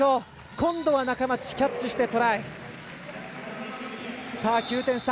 今度は中町、キャッチしてトライ。